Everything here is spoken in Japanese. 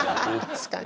確かに。